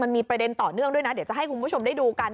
มันมีประเด็นต่อเนื่องด้วยนะเดี๋ยวจะให้คุณผู้ชมได้ดูกัน